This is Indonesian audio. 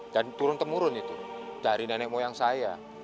dan turun temurun itu dari nenek moyang saya